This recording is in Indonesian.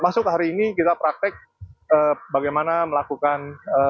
masuk hari ini kita praktek bagaimana melakukan